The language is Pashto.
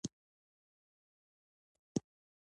د ګلاب زوى هم راسره و.